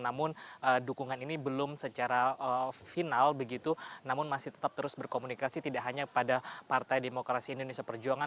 namun dukungan ini belum secara final begitu namun masih tetap terus berkomunikasi tidak hanya pada partai demokrasi indonesia perjuangan